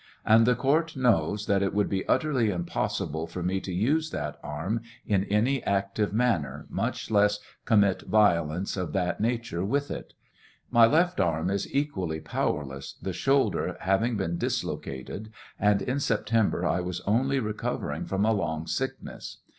And the court knows that it would be utterly im possible for me to use that arm in any active manner, much less commit violence of that nature with it. My left arm is equally powerless, the shoulder having been dislocated, and in September I was only recovering from a long sickness.